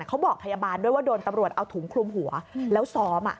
เขาบอกพยาบาลด้วยว่าโดนตำรวจเอาถุงคลุมหัวแล้วซ้อม